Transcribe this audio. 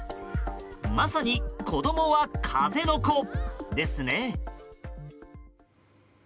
まさに子供は風の子ですね。